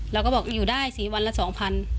เราก็บอกอยู่ได้๔วันละ๒๐๐บาท